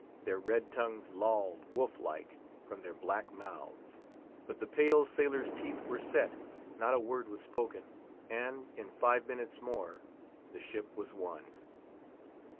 Their red tongues lolled, wolf like, from their black mouths. But the pale sailors' teeth were set; not a word was spoken; and, in five minutes more, the ship was won.